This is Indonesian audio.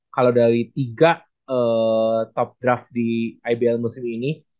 kalau dari tiga top draft di ibl musim ini